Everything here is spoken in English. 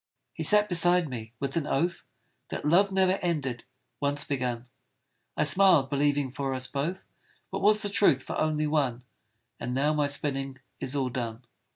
He sat beside me, with an oath That love ne'er ended, once begun; I smiled, believing for us both, What was the truth for only one: And now my spinning is all done.